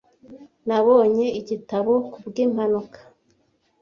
Nabonye igitabo kubwimpanuka.